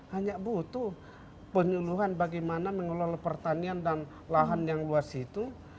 hanya butuh penyuluhan bagaimana mengelola pertanian dan lahan yang luas itu